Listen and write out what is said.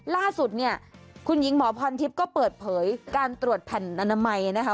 ล่าสุดเนี่ยคุณหญิงหมอพรทิพย์ก็เปิดเผยการตรวจแผ่นอนามัยนะคะ